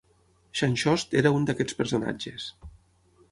Xanxost era un d'aquests personatges.